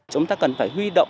chúng ta cần phải huy động